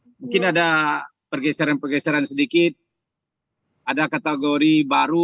mungkin ada pergeseran pergeseran sedikit ada kategori baru